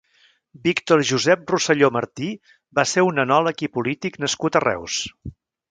Víctor Josep Roselló Martí va ser un enòleg i polític nascut a Reus.